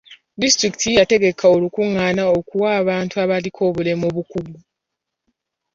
Disitulikiti yategeka olukungaana okuwa abantu abaliko obulemu obukugu.